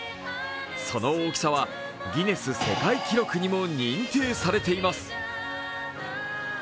その大きさはギネス世界記録にも認定されています。